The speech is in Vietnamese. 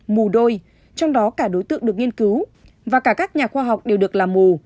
mù đôi trong đó cả đối tượng được nghiên cứu và cả các nhà khoa học đều được làm mù